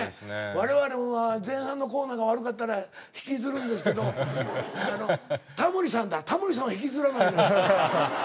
我々は前半のコ―ナ―が悪かったら引きずるんですけどタモリさんだタモリさんは引きずらないのよ。